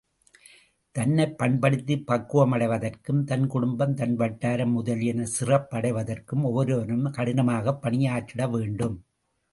தன்னைப் பண்படுத்திப் பக்குவமடைவதற்கும், தன் குடும்பம், தன் வட்டாரம் முதலியன சிறப்படைவதற்கும், ஒவ்வொருவனும் கடினமாகப் பணியாற்றிட வேண்டும்.